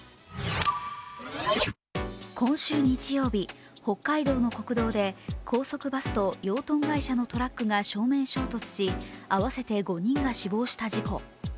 今週日曜日、北海道の国道で高速バスと養豚会社のトラックが正面衝突し、合わせて５人が死亡した事故。